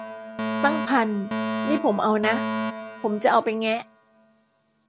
ตั้ง พัน นี่ผมเอานะ ผมจะเอาไปแงะ